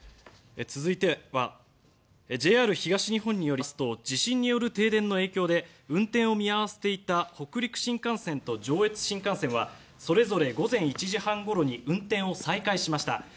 続いてはＪＲ東日本によりますと地震による停電の影響で運転を見合わせていた北陸新幹線と上越新幹線はそれぞれ午前１時半ごろに運転を再開しました。